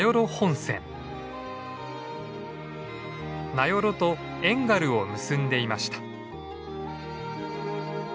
名寄と遠軽を結んでいました。